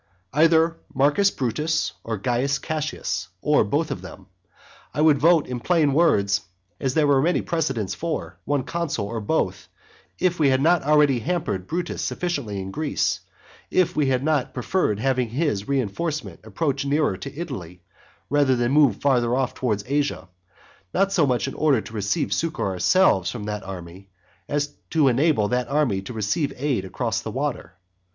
Either Marcus Brutus, or Caius Cassius, or both of them. I would vote in plain words, as there are many precedents for, one consul or both, if we had not already hampered Brutus sufficiently in Greece, and if we had not preferred having his reinforcement approach nearer to Italy rather than move further off towards Asia, not so much in order to receive succour ourselves from that army, as to enable that army to receive aid across the water.